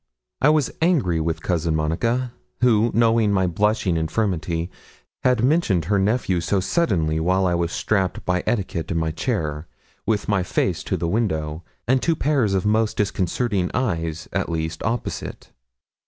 I was angry with Cousin Monica, who, knowing my blushing infirmity, had mentioned her nephew so suddenly while I was strapped by etiquette in my chair, with my face to the window, and two pair of most disconcerting eyes, at least, opposite.